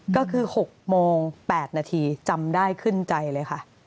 ก็คือ๖โมง๘นาทีจำได้ขึ้นใจเลยค่ะ